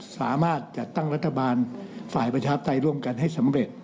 สามารถจัดตั้งรัฐบาลฝ่ายประชาปไตยร่วมกันให้สำเร็จ